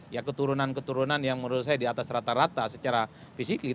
ya keturunan keturunan yang menurut saya di atas rata rata secara fisik